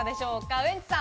ウエンツさん。